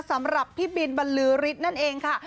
สำหรับพี่บินบรรลือฤทธิ์นั่นเองค่ะ